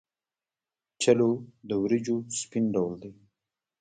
چلو د وریجو سپین ډول دی.